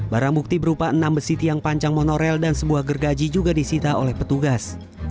barang bukti berupa enam besi tiang pancang monorel dan sebuah gergaji juga disita oleh petugas